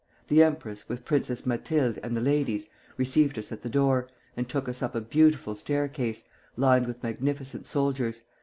The empress, with Princess Mathilde and the ladies, received us at the door, and took us up a beautiful staircase, lined with magnificent soldiers....